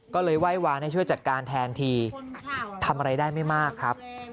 ก็เลยไหว้วานให้ช่วยจัดการแทนทีทำอะไรได้ไม่มากครับ